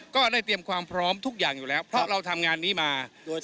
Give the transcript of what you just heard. ก็ได้เตรียมความพร้อมทุกอย่างอยู่แล้วเพราะเราทำงานนี้มาโดย